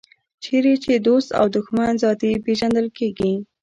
چېرې چې دوست او دښمن ذاتي پېژندل کېږي.